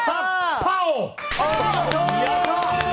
パオ！